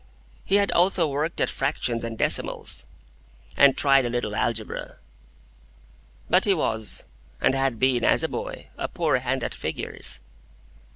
He had also worked at fractions and decimals, and tried a little algebra; but he was, and had been as a boy, a poor hand at figures.